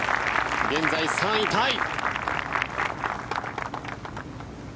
現在、３位タイ。